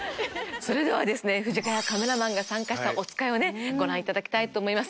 それでは藤ヶ谷カメラマンが参加したおつかいをご覧いただきたいと思います。